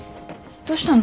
どしたの？